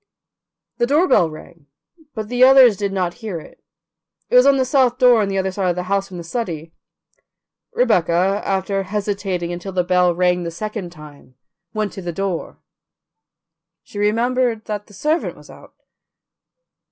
The doorbell rang, but the others did not hear it; it was on the south door on the other side of the house from the study. Rebecca, after hesitating until the bell rang the second time, went to the door; she remembered that the servant was out.